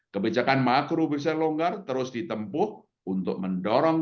kebijakan makro bisa longgar terus ditempuh untuk mendorong